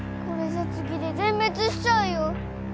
これじゃ次で全滅しちゃうよ。